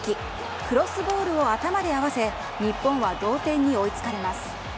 クロスボールを頭で合わせ、日本は同点に追いつかれます。